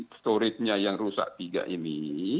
storage nya yang rusak tiga ini